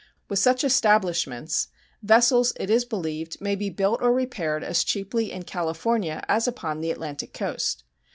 With such establishments vessels, it is believed may be built or repaired as cheaply in California as upon the Atlantic coast.